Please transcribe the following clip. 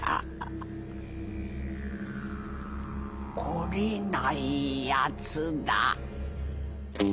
懲りないやつだ」。